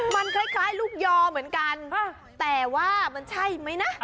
มันคล้ายลูกยอเหมือนกันแต่ว่ามันใช่ไหมนะ